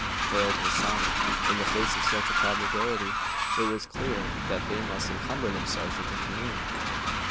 Harold was silent. In the face of such a probability it was clear that they must encumber themselves with the canoe.